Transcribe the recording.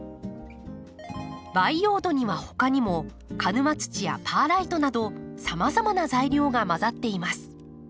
培養土にはほかにも鹿沼土やパーライトなどさまざまな材料が混ざっています。